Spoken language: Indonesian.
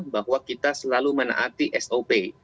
bahwa kita selalu menaati sop